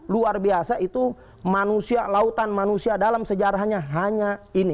luar biasa itu manusia lautan manusia dalam sejarahnya hanya ini